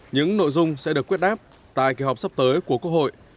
những nội dung sẽ được quyết đáp tại kỳ họp sắp tới của quốc hội